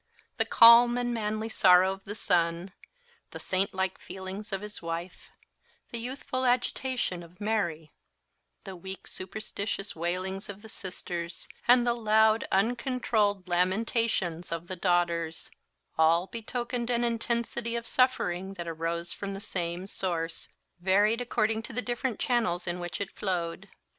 The calm and manly sorrow of the son; the saint like feelings of his wife; the youthful agitation of Mary; the weak superstitious wailings of the sisters; and the loud uncontrolled lamentations of the daughters; all betokened an intensity of suffering that arose from the same source, varied according to the different channels in which it flowed.